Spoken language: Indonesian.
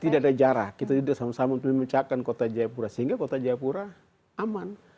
tidak ada jarak kita tidak sama sama untuk memecahkan kota jayapura sehingga kota jayapura aman